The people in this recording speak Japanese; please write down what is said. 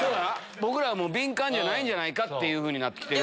僕らは敏感じゃないんじゃないかっていうふうになって来てる。